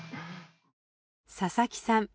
佐々木さん